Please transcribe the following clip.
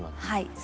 はい。